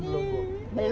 oh di rumah saja